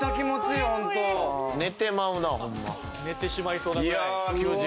寝てしまいそうなぐらい。